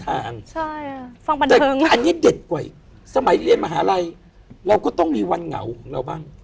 แต่อันนี้เด็ดกว่าสมัยเรียนมหาลัยเราก็ต้องมีวันเหงาของเราบ้าง